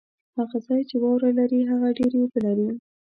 هغه ځای چې واوره لري ، هغه ډېري اوبه لري